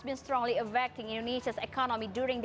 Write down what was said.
kesempatan covid sembilan belas dan penyelamat ekonomi jakarta